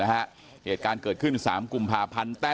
เหตุการณ์เกิดขึ้น๓กุมภาพันธ์